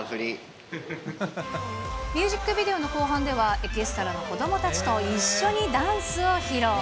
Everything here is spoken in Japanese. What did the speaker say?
ミュージックビデオの後半では、エキストラの子どもたちと一緒にダンスを披露。